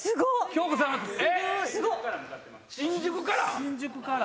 新宿から⁉